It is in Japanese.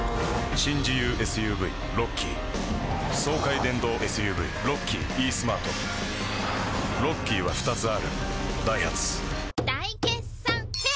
新自由ＳＵＶロッキー爽快電動ＳＵＶロッキーイースマートロッキーは２つあるダイハツ大決算フェア